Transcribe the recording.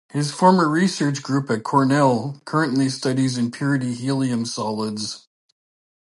His former research group at Cornell currently studies impurity-helium solids.